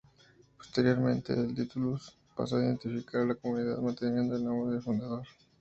Posteriormente, el "titulus" paso a identificar a la comunidad, manteniendo el nombre del fundador.